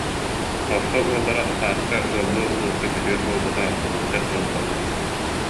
Орто уоллара Сааска ыаллыы улууска күтүөт буолбута отучча сыл буолла